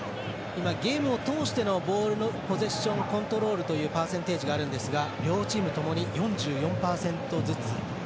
ゲームを通してのボールのポゼッションコントロールというパーセンテージがあるんですが両チームともに４４％ずつ。